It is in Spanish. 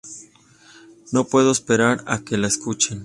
No puedo esperar a que la escuchen.